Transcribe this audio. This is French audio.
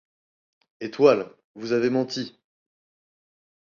Étoiles ! vous avez menti !.